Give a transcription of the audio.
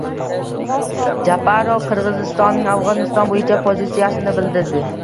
Japarov Qirg‘izistonning Afg‘oniston bo‘yicha pozisiyasini bildirdi